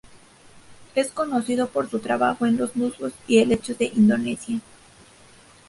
Es conocido por su trabajo en los musgos y helechos de Indonesia.